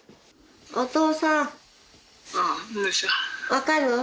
分かる？